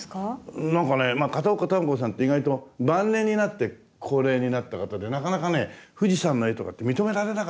うんなんかね片岡球子さんって意外と晩年になって高名になった方でなかなかね富士山の絵とかって認められなかったんですよね。